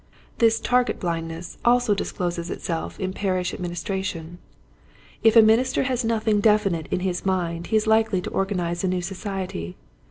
88 Quiet Hints to Grozuifig P^'eacJiers. This target blindness also discloses itself in parish administration. If a minister has nothing definite in his mind he is likely to organize a new society.